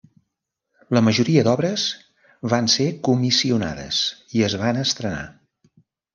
La majoria d'obres van ser comissionades i es van estrenar.